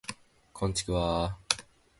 こんちくわ